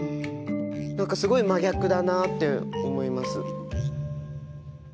何かすごい真逆だなって思います。